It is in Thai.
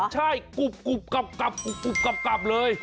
แก้วเหรอกรุ่บกลับเลย